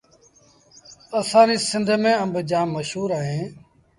اسآݩ ريٚ سنڌ ميݩ آݩب جآم مشهور اوهيݩ